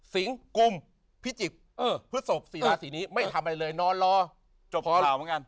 สิงคุมพิจิปเออพฤศพศรีราศรีนี้ไม่ทำอะไรเลยนอนรอจบเต่าเหมือนกัน